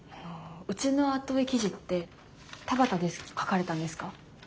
うちの後追い記事って田端デスク書かれたんですか？